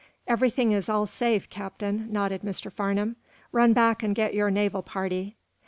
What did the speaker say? "Everything is all safe, Captain," nodded Mr. Farnum. "Run back and get your naval party."